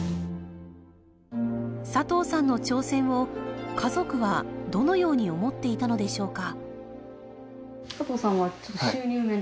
佐藤さんの挑戦を家族はどのように思っていたのでしょうか？